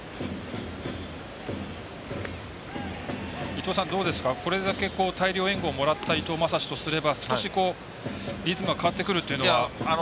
伊東さん、これだけ大量援護をもらった伊藤将司とすれば少しリズムが変わってくるというのは。